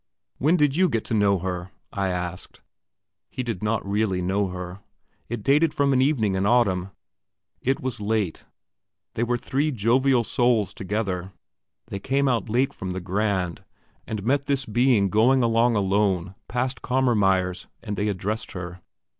"When did you get to know her?" I asked. He did not really know her. It dated from an evening in autumn. It was late; they were three jovial souls together, they came out late from the Grand, and met this being going along alone past Cammermeyer's, and they addressed her.